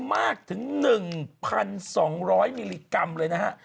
มากถึง๑๒๐๐มิลลิกรัมเลยนะฮะ